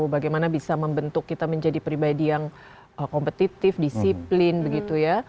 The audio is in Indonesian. bagaimana bisa membentuk kita menjadi pribadi yang kompetitif disiplin begitu ya